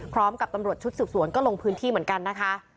ตำรวจชุดสืบสวนก็ลงพื้นที่เหมือนกันนะคะ